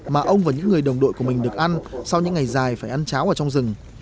mà ông và những người đồng đội của mình được ăn sau những ngày dài phải ăn cháo ở trong rừng